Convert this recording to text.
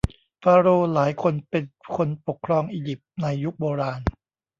ฟาโรห์หลายคนเป็นคนปกครองอิยิปต์ในยุคโบราณ